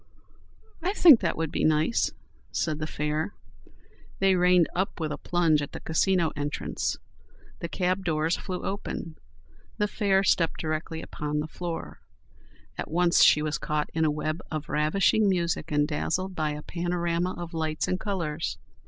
"I think that would be nice," said the fare. They reined up with a plunge at the Casino entrance. The cab doors flew open. The fare stepped directly upon the floor. At once she was caught in a web of ravishing music and dazzled by a panorama of lights and colours.